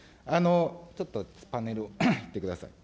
ちょっとパネルいってください。